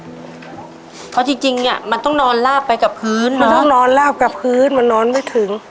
เพราะจริงเนี่ยมันต้องนอนลาบไปกับพื้นมันต้องนอนลาบกับพื้นมันนอนไม่ถึง